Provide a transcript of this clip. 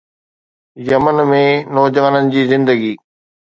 Yemen ۾ نوجوانن جي زندگي